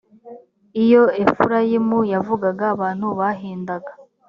iyo efurayimu yavugaga abantu bahindaga